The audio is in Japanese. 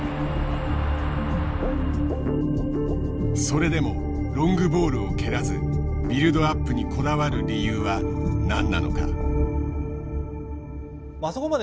それでもロングボールを蹴らずビルドアップにこだわる理由は何なのか。